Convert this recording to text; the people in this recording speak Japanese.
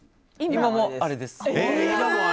今もあれです。